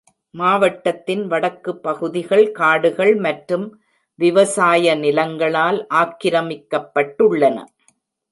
மாவட்டத்தின் வடக்கு பகுதிகள் காடுகள் மற்றும் விவசாய நிலங்களால் ஆக்கிரமிக்கப்பட்டுள்ளன.